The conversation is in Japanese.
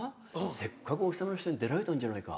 せっかくお日さまの下に出られたんじゃないか。